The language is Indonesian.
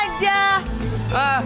sisi kamu tuh kemana